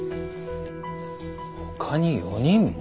他に４人も？